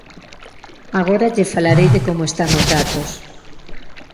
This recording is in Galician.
Agora lle falarei de como están os datos.